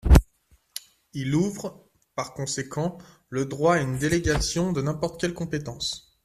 Il ouvre, par conséquent, le droit à une délégation de n’importe quelle compétence.